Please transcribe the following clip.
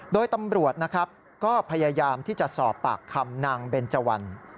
โดยตำรวจนะครับก็พยายามที่จะสอบปากคำนางเบนเจวัน